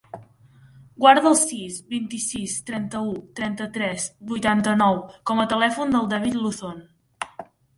Guarda el sis, vint-i-sis, trenta-u, trenta-tres, vuitanta-nou com a telèfon del David Luzon.